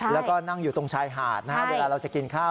แล้วก็นั่งอยู่ตรงชายหาดนะฮะเวลาเราจะกินข้าว